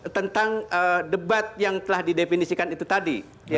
tentang debat yang telah didefinisikan itu tadi